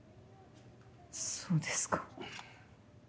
そうですか。